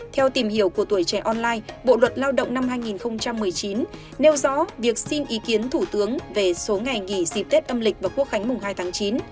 theo tìm hiểu của tuổi trẻ online bộ luật lao động năm hai nghìn một mươi chín nêu rõ việc xin ý kiến thủ tướng về số ngày nghỉ dịp tết âm lịch và quốc khánh mùng hai tháng chín